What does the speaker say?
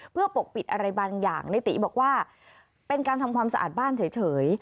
เพื่อปกปิดอะไรบางอย่างในตีบอกว่าเป็นการทำความสะอาดบ้านเฉย